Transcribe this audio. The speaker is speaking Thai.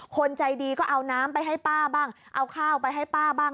คนใจดีก็เอาน้ำไปให้ป้าบ้างเอาข้าวไปให้ป้าบ้าง